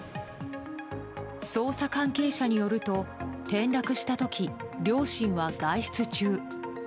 捜査関係者によると転落した時両親は外出中。